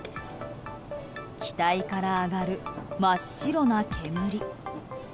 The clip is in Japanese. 機体から上がる真っ白な煙。